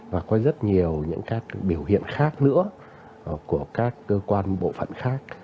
và có rất nhiều những các biểu hiện khác nữa của các cơ quan bộ phận khác